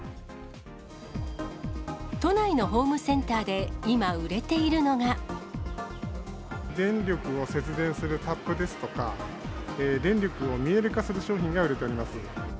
都内のホームセンターで今、電力を節電するタップですとか、電力を見える化する商品が売れております。